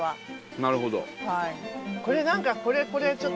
なるほど。